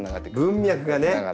文脈がね！